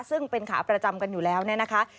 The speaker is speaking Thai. ซึ่งเป็นขาประจำกันอยู่แล้วเนี่ยนะคะ